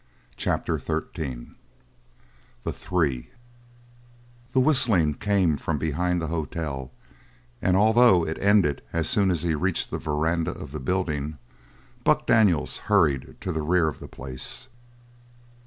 CHAPTER XIII THE THREE The whistling came from behind the hotel, and although it ended as soon as he reached the veranda of the building, Buck Daniels hurried to the rear of the place.